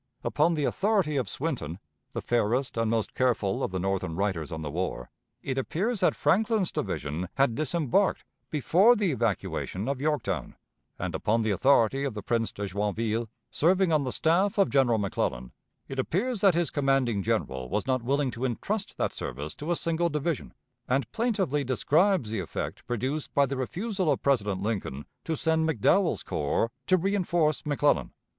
Upon the authority of Swinton, the fairest and most careful of the Northern writers on the war, it appears that Franklin's division had disembarked before the evacuation of Yorktown; and, upon the authority of the Prince de Joinville, serving on the staff of General McClellan, it appears that his commanding general was not willing to intrust that service to a single division, and plaintively describes the effect produced by the refusal of President Lincoln to send McDowell's corps to reënforce McClellan.